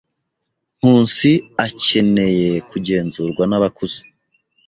Nkusi akeneye kugenzurwa nabakuze.